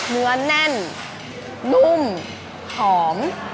เนื้อแน่นนุ่มหอม